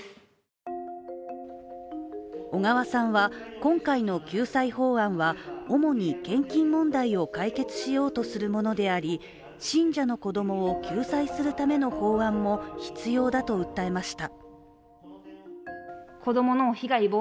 小川さんは、今回の救済法案は主に献金問題を解決しようとするものであり信者の子供を救済するための法案も必要だと訴えました。